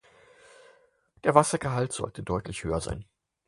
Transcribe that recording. Der Wassergehalt sollte deutlich höher sein.